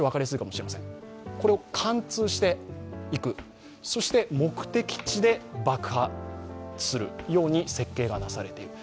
これを貫通していく、そして目的地で爆発するように設計がなされている。